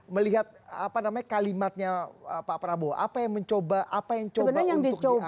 melihat kalimatnya pak prabowo apa yang mencoba apa yang coba untuk diangkat